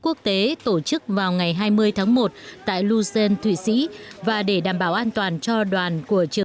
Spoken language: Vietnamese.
quốc tế tổ chức vào ngày hai mươi tháng một tại luxem thụy sĩ và để đảm bảo an toàn cho đoàn của triều